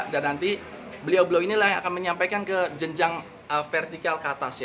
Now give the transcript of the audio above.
dan nanti beliau beliau inilah yang akan menyampaikan ke jenjang vertikal ke atas